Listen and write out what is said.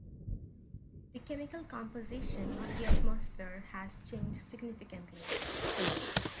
The chemical composition of the atmosphere has changed significantly.